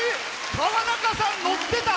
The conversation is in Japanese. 川中さん、のってた！